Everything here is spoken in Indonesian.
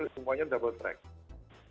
semuanya double track